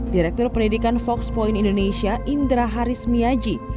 direktur pendidikan fox point indonesia indra haris miyaji